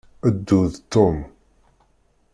Ddu d Tom.